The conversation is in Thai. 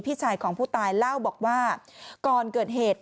พี่ชายของผู้ตายเล่าบอกว่าก่อนเกิดเหตุ